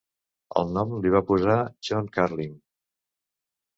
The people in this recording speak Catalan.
El nom l'hi va posar John Curling.